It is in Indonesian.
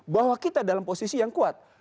bahwa kita dalam posisi yang kuat